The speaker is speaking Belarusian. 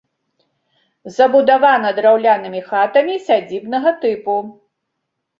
Забудавана драўлянымі хатамі сядзібнага тыпу.